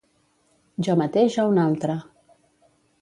Jo mateix o un altre?